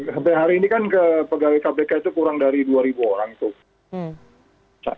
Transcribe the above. sampai hari ini kan ke pegawai kpk itu kurang dari dua orang tuh